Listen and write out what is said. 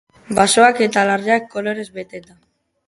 Basoak eta larreak kolorez beteta.